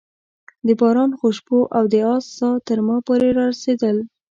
د باران خوشبو او د آس ساه تر ما پورې رارسېدل.